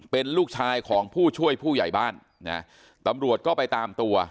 เป็นลูกชายของผู้ช่วยผู้ใหญ่บ้านนะตำรวจก็ไปตามตัว